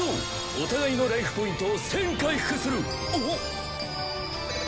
お互いのライフポイントを１０００回復する。